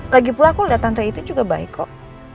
lagipula aku liat tante itu juga baik kok